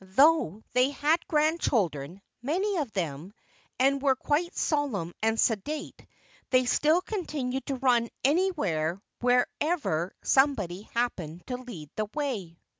Though they had grand children many of them and were quite solemn and sedate, they still continued to run anywhere whenever somebody happened to lead the way.